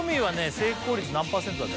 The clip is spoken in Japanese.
成功率何％だっけ？